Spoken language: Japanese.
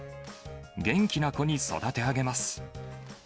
元気な子に育て上げます。